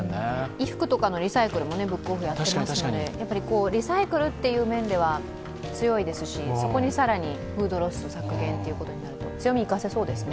衣服とかのリサイクルもブックオフやってますので、リサイクルという面では強いですし、そこに更にフードロス削減ということになると強みを生かせそうですね。